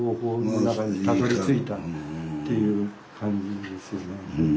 っていう感じですよね。